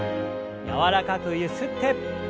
柔らかくゆすって。